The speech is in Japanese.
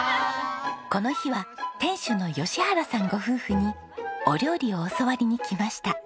この日は店主の吉原さんご夫婦にお料理を教わりに来ました。